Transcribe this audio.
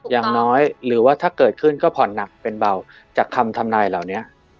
อย่างน้อยหรือว่าถ้าเกิดขึ้นก็ผ่อนหนักเป็นเบาจากคำทำนายเหล่านี้